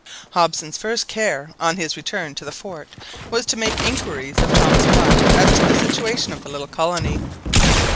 Hobson's first care on his return to the fort, was to make inquiries of Thomas Black as to the situation of the little colony.